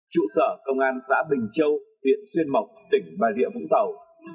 chủ sở công an xã bình châu huyện xuân mộc tỉnh bà rê vũng tàu